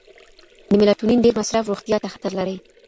د میلاټونین ډیر مصرف روغتیا ته خطر لري.